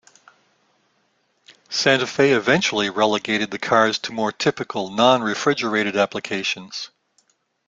Santa Fe eventually relegated the cars to more typical, non-refrigerated applications.